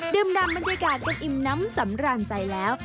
ดึมดำบันไดกาศก็อิ่มน้ำสำราญใจแล้ว